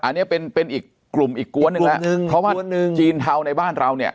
อันนี้เป็นเป็นอีกกลุ่มอีกกวนหนึ่งแล้วเพราะว่าจีนเทาในบ้านเราเนี่ย